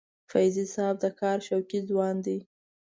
فیضي صاحب د کار شوقي ځوان دی.